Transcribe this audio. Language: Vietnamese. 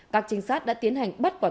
các trinh sát đã tiến hành bắt bỏ tăng